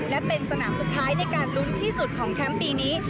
และเป็นสนามสุดท้ายในการลุ้นที่สุดของแชมป์ปีนี้